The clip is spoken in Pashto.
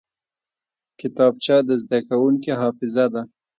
کتابچه د زده کوونکي حافظه ده